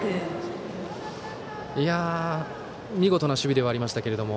見事な守備ではありましたけども。